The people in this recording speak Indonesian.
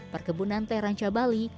perkebunan teranca bali